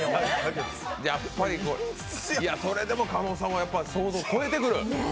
やっぱりそれでも狩野さんは想像を超えてくる。